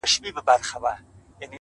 زه ستا په ځان كي يم ماته پيدا كړه”